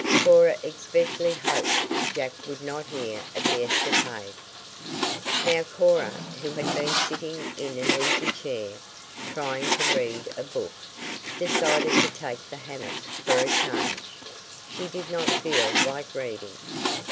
Cora especially hoped Jack would not hear of the escapade. Now Cora, who had been sitting in an easy chair, trying to read a book, decided to take the hammock for a change. She did not feel like reading.